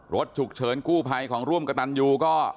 รถฉุกเฉินกู้ภัยของร่วมกระตันยูก็